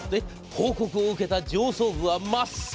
報告を受けた上層部は真っ青。